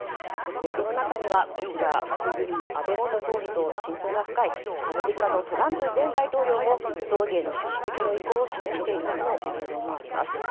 その中には安倍元総理と親交が深いアメリカのトランプ前大統領も葬儀への出席の意向を示しているとの報道もあります。